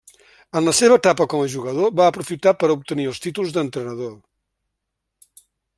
En la seva etapa com a jugador va aprofitar per a obtenir els títols d'entrenador.